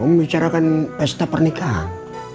om bicarakan pesta pernikahan